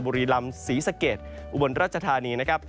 บุรีลำสีสะเกดอุบลราชธานี